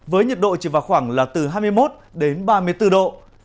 với nhiệt độ chỉ vào khoảng là từ hai mươi một đến ba mươi bốn độ